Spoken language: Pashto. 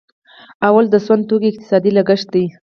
لومړی د سون توکو اقتصادي لګښت دی.